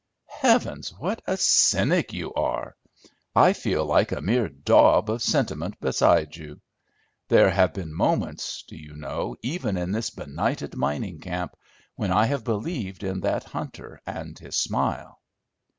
"Heavens, what a cynic you are! I feel like a mere daub of sentiment beside you. There have been moments, do you know, even in this benighted mining camp, when I have believed in that hunter and his smile!"